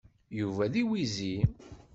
Yuba d iwizi.